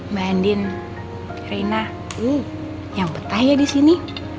mbak andin reina nyampe tayar disini